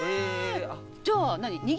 じゃあ何？